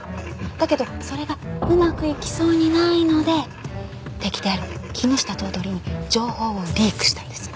だけどそれがうまくいきそうにないので敵である木下頭取に情報をリークしたんです。